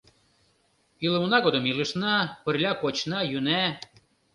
Илымына годым илышна, пырля кочна-йӱна.